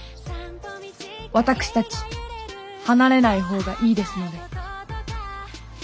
私たち離れないほうがいいですので。